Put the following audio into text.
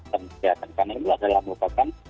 ya karena ini adalah tembakan